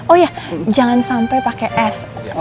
oh ya jangan sampai pakai es